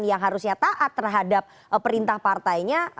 yang harusnya taat terhadap perintah partainya